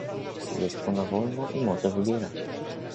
"Jest ona wolna i może wybierać."